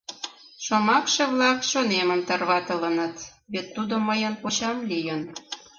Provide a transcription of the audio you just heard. Шомакше-влак чонемым тарватылыныт, вет тудо мыйын кочам лийын.